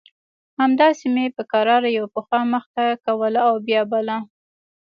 همداسې مې په کراره يوه پښه مخته کوله او بيا بله.